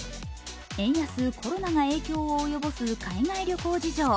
円安、コロナが影響を及ぼす海外旅行事情。